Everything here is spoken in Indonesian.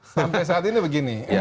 sampai saat ini begini